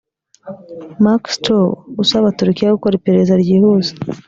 Mark Stroh usaba Turukiya gukora iperereza ryihuse